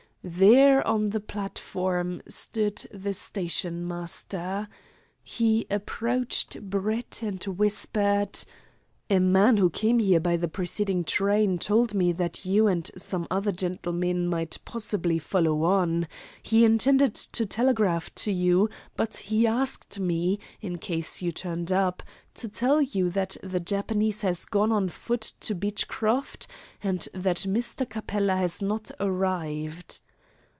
There on the platform stood the station master. He approached Brett and whispered: "A man who came here by the preceding train told me that you and some other gentlemen might possibly follow on. He intended to telegraph to you, but he asked me, in case you turned up, to tell you that the Japanese has gone on foot to Beechcroft, and that Mr. Capella has not arrived."